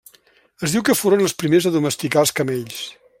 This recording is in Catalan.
Es diu que foren els primers a domesticar els camells.